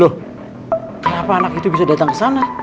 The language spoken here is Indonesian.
loh kenapa anak itu bisa datang ke sana